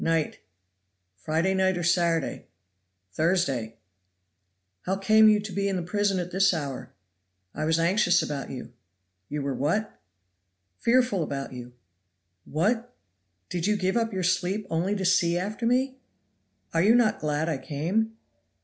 "Night." "Friday night, or Saturday?" "Thursday." "How came you to be in the prison at this hour?" "I was anxious about you." "You were what?" "Fearful about you." "What! did you give up your sleep only to see after me?" "Are you not glad I came?"